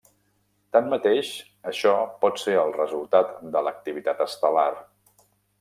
Tanmateix, això pot ser el resultat de l'activitat estel·lar.